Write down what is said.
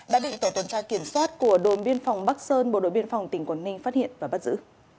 đã bị tổ tuần tra kiểm soát của đồn biên phòng bắc sơn bộ đội biên phòng tỉnh quảng ninh phát hiện và bắt giữ